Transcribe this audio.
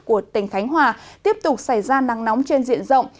của tỉnh khánh hòa tiếp tục xảy ra nắng nóng trên diện rộng